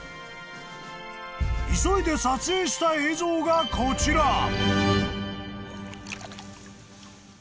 ［急いで撮影した映像がこちら］